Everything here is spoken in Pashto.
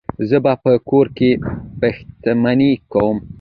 زه به په کور کې پیشمني کوم